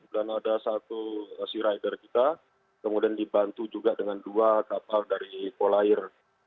dan ada satu searider kita kemudian dibantu juga dengan dua kapal dari polair